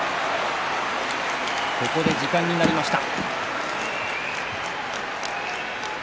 ここで時間になりました。